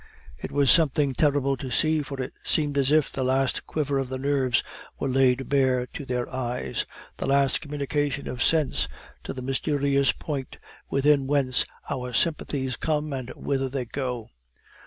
It was something terrible to see, for it seemed as if the last quiver of the nerves were laid bare to their eyes, the last communication of sense to the mysterious point within whence our sympathies come and whither they go.